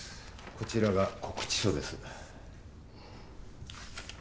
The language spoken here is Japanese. こちらが告知書です。